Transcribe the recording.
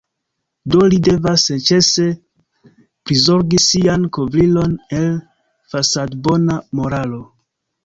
Do li devas senĉese prizorgi sian kovrilon el fasadbona moralo.